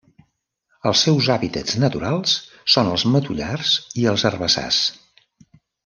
Els seus hàbitats naturals són els matollars i els herbassars.